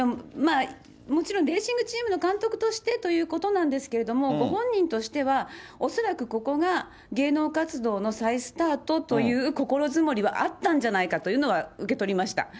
もちろん、レーシングチームの監督としてということなんですけれども、ご本人としては、恐らくここが芸能活動の再スタートという心づもりはあったんじゃないかというのは受け取りました。